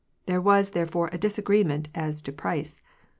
There was, therefore, a disagreement as to price.